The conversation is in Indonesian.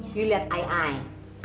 kamu lihat ayah